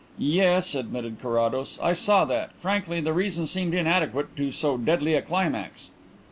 "Yes," admitted Carrados, "I saw that. Frankly, the reason seemed inadequate to so deadly a climax."